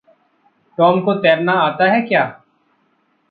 Tom को तैरना आता है क्या?